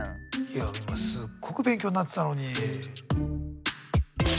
いや今すっごく勉強になってたのに。